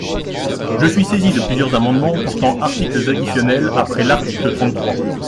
Je suis saisi de plusieurs amendements portant articles additionnels après l’article trente-trois.